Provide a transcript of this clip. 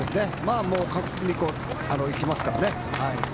確実に行きますからね。